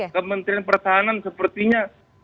kementerian pertahanan sepertinya